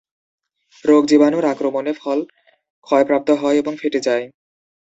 রোগজীবাণুর আক্রমণে ফল ক্ষয়প্রাপ্ত হয় এবং ফেটে যায়।